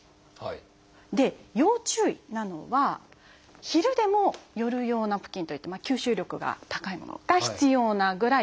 で要注意なのは昼でも夜用ナプキンといって吸収力が高いものが必要なぐらい多い。